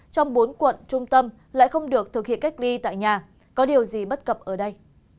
trong bốn quận trung tâm lại không được thực hiện cách ly tại nhà có điều gì bất cập ở đây